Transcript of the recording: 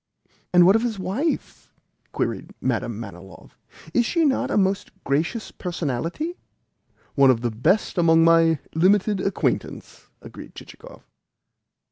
"And what of his wife?" queried Madame Manilov. "Is she not a most gracious personality?" "One of the best among my limited acquaintance," agreed Chichikov.